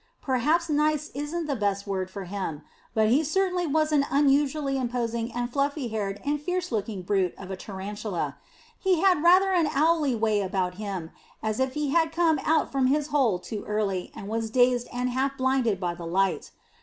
Perhaps nice isn't the best word for him, but he certainly was an unusually imposing and fluffy haired and fierce looking brute of a tarantula. He had rather an owly way about him, as if he had come out from his hole too early and was dazed and half blinded by the light.